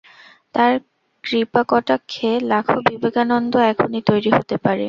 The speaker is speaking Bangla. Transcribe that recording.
তাঁর কৃপাকটাক্ষে লাখো বিবেকানন্দ এখনি তৈরী হতে পারে।